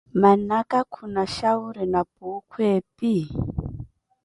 Mannaka khuna xhauri na puukhu epi?